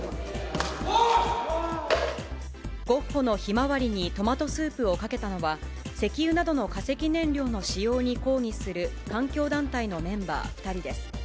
ゴッホのひまわりにトマトスープをかけたのは、石油などの化石燃料の使用に抗議する環境団体のメンバー２人です。